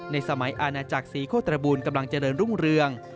สมัยอาณาจักรศรีโคตรบูลกำลังเจริญรุ่งเรือง